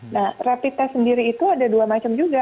nah rapid test sendiri itu ada dua macam juga